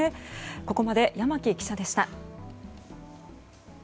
ここまで山木記者でした。